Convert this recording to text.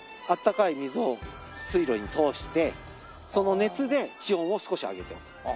温かい水を水路に通してその熱で地温を少し上げてます。